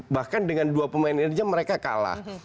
bahkan dengan dua pemainnya mereka kalah